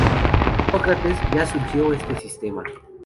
Sócrates ya sugirió este sistema.